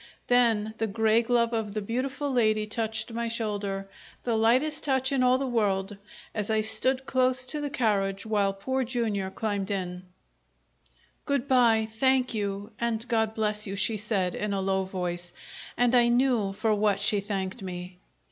Then the grey glove of the beautiful lady touched my shoulder the lightest touch in all the world as I stood close to the carriage while Poor Jr. climbed in. "Good bye. Thank you and God bless you!" she said, in a low voice. And I knew for what she thanked me.